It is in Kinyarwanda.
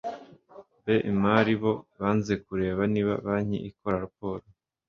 b imari bo hanze kureba niba banki ikora raporo